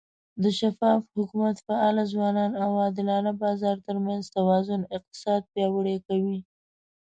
د شفاف حکومت، فعاله ځوانانو، او عادلانه بازار ترمنځ توازن اقتصاد پیاوړی کوي.